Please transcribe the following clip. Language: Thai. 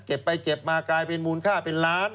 เก็บไปเก็บมากลายเป็นมูลค่าเป็นล้าน